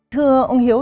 thưa ông hiếu